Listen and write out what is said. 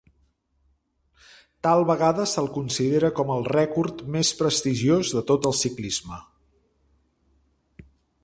Tal vegada, se'l considera com el rècord més prestigiós de tot el ciclisme.